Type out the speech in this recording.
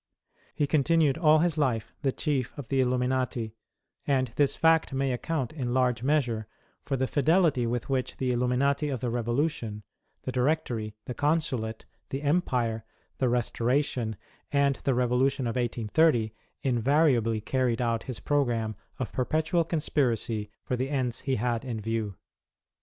He continued all his life the Chief of the Illuminati, and this fact may account, in large measure, for the fidelity with which the Illuminati of the Revolution, the Directory, the Consulate, the Empire, the Restoration, and the Revolution of 1830, invariably carried out his programme of perpetual conspiracy for the ends he had in view.